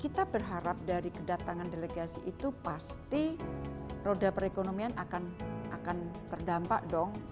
kita berharap dari kedatangan delegasi itu pasti roda perekonomian akan terdampak dong